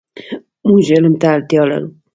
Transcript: مونږ علم ته اړتیا لرو .